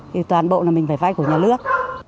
thì toàn bộ là mình phải vai của nhà lước